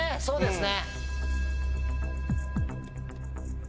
そうですね！